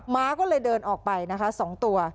ม้าก็เลยเดินออกไปสองตัว